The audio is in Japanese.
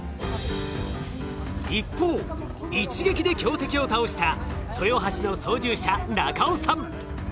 一方一撃で強敵を倒した豊橋の操縦者中尾さん。